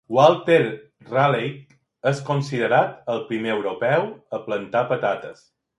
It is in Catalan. Walter Raleigh és considerat el primer europeu a plantar patates.